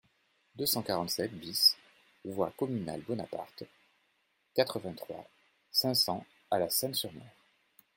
deux cent quarante-sept BIS voie Communale Bonaparte, quatre-vingt-trois, cinq cents à La Seyne-sur-Mer